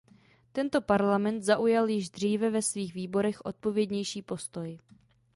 Tento Parlament zaujal již dříve ve svých výborech odpovědnější postoj.